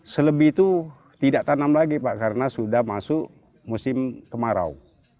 selebih itu tidak tanam lagi pak karena sudah masuk musim kemarau